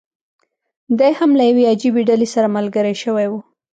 دی هم له یوې عجیبي ډلې سره ملګری شوی و.